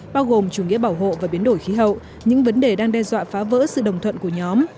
bao gồm chủ nghĩa bảo hộ và biến đổi khí hậu những vấn đề đang đe dọa phá vỡ sự đồng thuận của nhóm